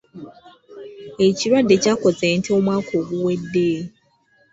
Ekirwadde kyakosa ente omwaka oguwedde.